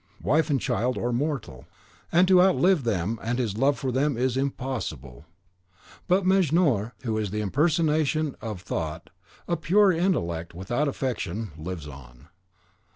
Wife and child are mortal, and to outlive them and his love for them is impossible. But Mejnour, who is the impersonation of thought, pure intellect without affection, lives on.